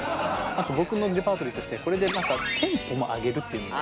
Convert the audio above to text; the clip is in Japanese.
あと僕のレパートリーとしてこれでテンポも上げるっていうのも。